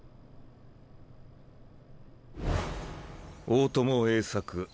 大友栄作